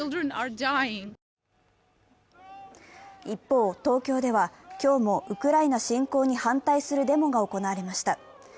一方、東京では今日もウクライナ侵攻に反対するデモが行われました。